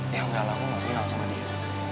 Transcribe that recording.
ya enggak lah gue gak kenal sama dia